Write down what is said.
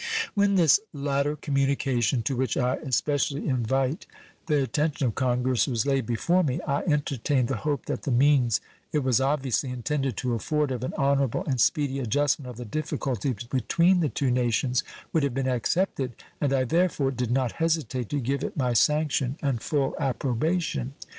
When this latter communication, to which I especially invite the attention of Congress, was laid before me, I entertained the hope that the means it was obviously intended to afford of an honorable and speedy adjustment of the difficulties between the two nations would have been accepted, and I therefore did not hesitate to give it my sanction and full approbation.